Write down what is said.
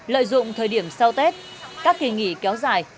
lợi dụng thời điểm sau tết các kỳ nghỉ kéo dài